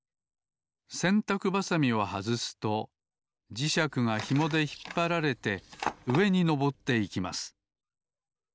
せんたくばさみをはずすと磁石がひもでひっぱられてうえにのぼっていきます。